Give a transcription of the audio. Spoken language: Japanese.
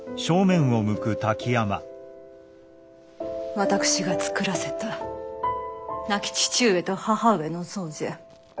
私が作らせた亡き父上と母上の像じゃ。